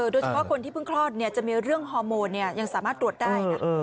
โดยเฉพาะคนที่เพิ่งคลอดจะมีเรื่องฮอร์โมนยังสามารถตรวจได้นะ